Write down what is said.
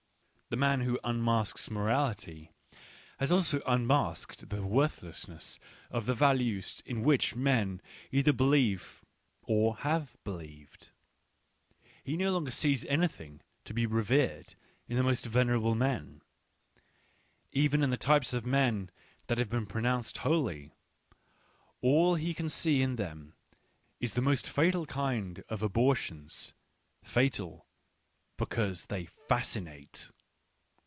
... The man who Digitized by Google 142 ECCE HOMO unmasks morality has also unmasked the worth lessness of the values in which men either believe or have believed ; he no longer sees anything to be revered in the most venerable man — even in the types of men that have been pronounced holy ; all he can see in them is the most fatal kind of ab ortions, fatal, because they fascinate.